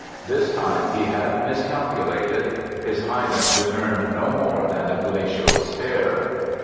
This time he had miscalculated—his Highness returned no more than a glacial stare!